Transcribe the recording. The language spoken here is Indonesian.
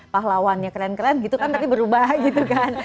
pahlawannya keren keren gitu kan tapi berubah gitu kan